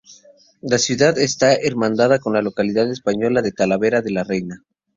La ciudad está hermanada con la localidad española de Talavera de la Reina.